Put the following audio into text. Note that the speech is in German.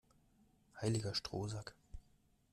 Heiliger Strohsack!